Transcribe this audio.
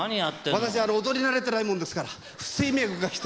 私踊り慣れてないもんですから不整脈が来て。